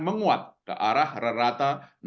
menguat ke arah